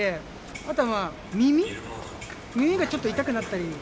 あとは耳、耳がちょっと痛くなったり。